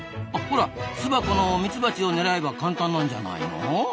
ほら巣箱のミツバチを狙えば簡単なんじゃないの？